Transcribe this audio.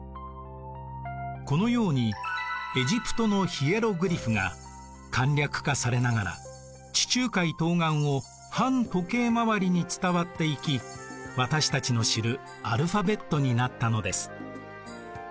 このようにエジプトのヒエログリフが簡略化されながら地中海東岸を反時計回りに伝わっていき私たちの知るアルファベットになったのです。